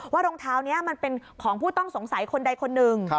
รองเท้านี้มันเป็นของผู้ต้องสงสัยคนใดคนหนึ่ง